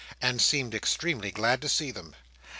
and seemed extremely glad to see them.